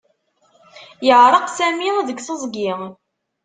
Yeεreq Sami deg teẓgi.